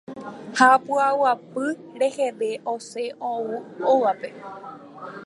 ha py'aguapy reheve osẽ ou hógape.